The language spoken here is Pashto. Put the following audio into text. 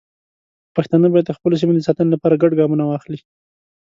پښتانه باید د خپلو سیمو د ساتنې لپاره ګډ ګامونه واخلي.